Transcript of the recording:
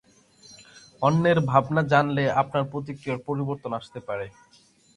অন্যের ভাবনা জানলে আপনার প্রতিক্রিয়ায় পরিবর্তন আসতে পারে।